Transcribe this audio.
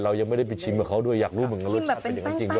เรายังไม่ได้ไปชิมกับเขาด้วยอยากรู้รสชาติเป็นอย่างจริงดู